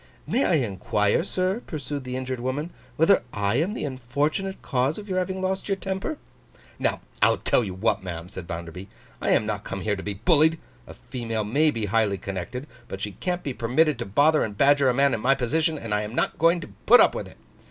'May I inquire, sir,' pursued the injured woman, 'whether I am the unfortunate cause of your having lost your temper?' 'Now, I'll tell you what, ma'am,' said Bounderby, 'I am not come here to be bullied. A female may be highly connected, but she can't be permitted to bother and badger a man in my position, and I am not going to put up with it.